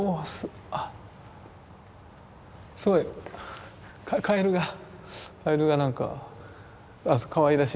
あすごいカエルがカエルが何かかわいらしいですね。